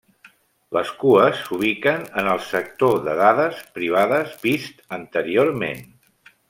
Les cues s'ubiquen en el sector de dades privades vist anteriorment.